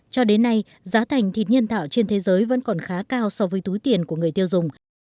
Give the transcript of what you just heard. cho đến nay giá thành thịt nhân tạo trên thế giới vẫn còn khá cao so với túi tiền của người tiêu dùng